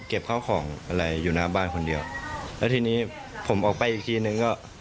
ข้าวของอะไรอยู่หน้าบ้านคนเดียวแล้วทีนี้ผมออกไปอีกทีนึงก็